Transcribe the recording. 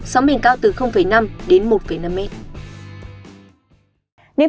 sóng biển cao từ năm một năm m